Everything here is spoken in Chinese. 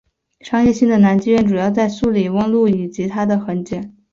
商业性的男妓院主要在素里翁路及它的横街。